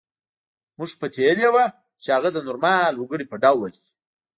موږ پتېیلې وه چې هغه د نورمال وګړي په ډول وي